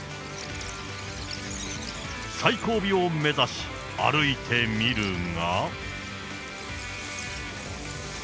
最後尾を目指し、歩いてみるが。